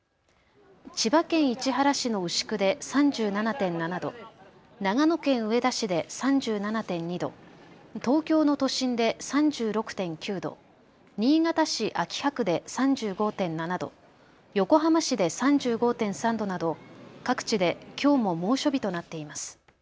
千葉県市原市の牛久で３７．７度、長野県上田市で３７．２度、東京の都心で３６．９度、新潟市秋葉区で３５．７度、横浜市で３５．３度など各地できょうも猛暑日となっています。